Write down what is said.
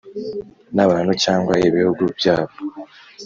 n abantu cyangwa ibihugu byabo